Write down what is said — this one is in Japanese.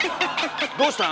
「どうしたん？」